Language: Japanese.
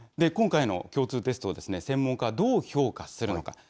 今回の共通テストを、専門家はどう評価するのか。